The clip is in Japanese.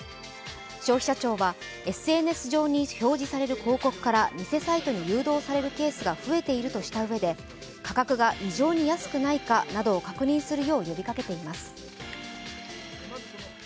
消費者庁はＳＮＳ上に表示される広告から偽サイトに誘導されるケースが増えているとしたうえで価格が異常に安くないかなどを確認するよう呼びかけています。